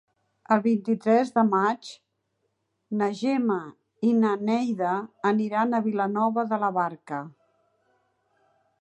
El vint-i-tres de maig na Gemma i na Neida aniran a Vilanova de la Barca.